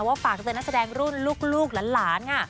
ว่าฝากเจอนักแสดงรุ่นลูกและหลาน